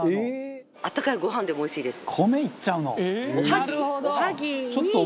あったかいご飯でもおいしいです。